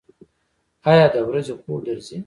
ایا د ورځې خوب درځي؟